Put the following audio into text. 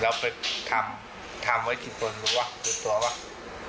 แล้วไปทำไว้กี่คนหรือเปล่า